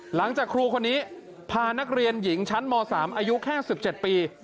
หลังจากครูคนนี้พานักเรียนหญิงชั้นม๓อายุแค่๑๗ปี